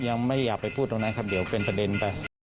ยังไม่อยากไปพูดตรงนั้นครับเดี๋ยวเป็นประเด็นไป